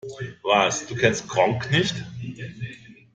Was, du kennst Gronkh nicht?